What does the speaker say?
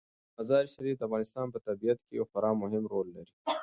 مزارشریف د افغانستان په طبیعت کې یو خورا مهم رول لري.